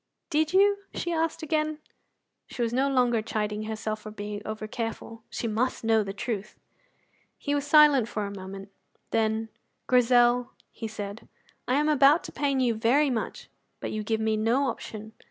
"Did you?" she asked again. She was no longer chiding herself for being over careful; she must know the truth. He was silent for a moment. Then, "Grizel," he said, "I am about to pain you very much, but you give me no option.